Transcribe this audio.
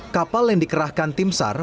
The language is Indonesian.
kapal yang dikerahkan tim sar